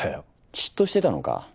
嫉妬してたのか？